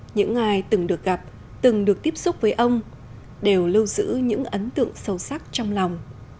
những ai từng được gặp từng được tiếp xúc với ông đều lưu giữ những ấn tượng sâu sắc trong lòng